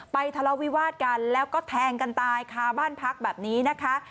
ทะเลาวิวาสกันแล้วก็แทงกันตายคาบ้านพักแบบนี้นะคะ